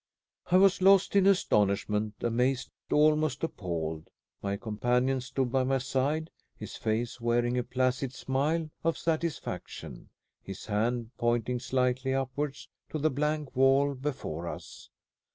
I was lost in astonishment; amazed, almost appalled. My companion stood by my side, his face wearing a placid smile of satisfaction, his hand pointing slightly upwards to the blank wall before us.